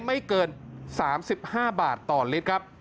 ไม่เกิน๓๕บาทต่อลิตรครับ